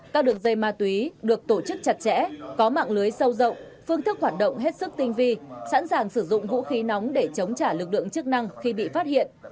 các đường dây ma túy được tổ chức chặt chẽ có mạng lưới sâu rộng phương thức hoạt động hết sức tinh vi sẵn sàng sử dụng vũ khí nóng để chống trả lực lượng chức năng khi bị phát hiện